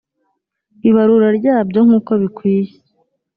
ibarura ryabyo nk uko bikwiye